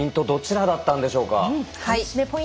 どちらだったんでしょうか。